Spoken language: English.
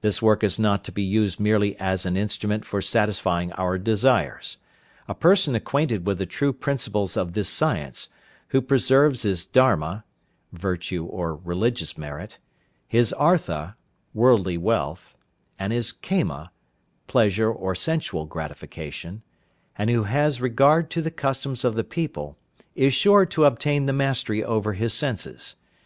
This work is not to be used merely as an instrument for satisfying our desires. A person acquainted with the true principles of this science, who preserves his Dharma (virtue or religious merit), his Artha (worldly wealth) and his Kama (pleasure or sensual gratification), and who has regard to the customs of the people, is sure to obtain the mastery over his senses.